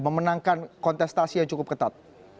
memenangkan kontestasi yang cukup ketat